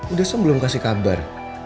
udah saya belum kasih kabar